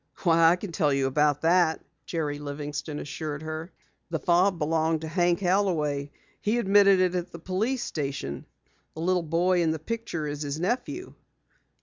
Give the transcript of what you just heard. "Why, I can tell you about that," Jerry Livingston assured her. "The fob belonged to Hank Holloway. He admitted it at the police station. The little boy in the picture is his nephew."